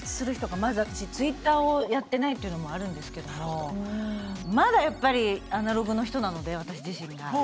まず私Ｔｗｉｔｔｅｒをやってないっていうのもあるんですけどもまだやっぱりアナログの人なので私自身が。